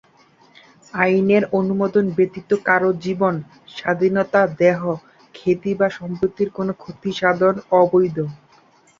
আইনের অনুমোদন ব্যতীত কারও জীবন, স্বাধীনতা, দেহ, খ্যাতি বা সম্পত্তির কোনো ক্ষতি সাধন অবৈধ।